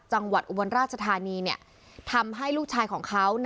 จังหวัดอุบลราชธานีเนี่ยทำให้ลูกชายของเขา